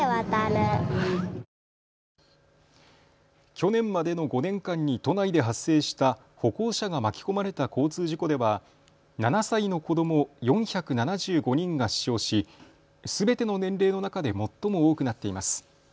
去年までの５年間に都内で発生した歩行者が巻き込まれた交通事故では７歳の子ども４７５人が死傷しすべての年齢の中で最も多くなっています。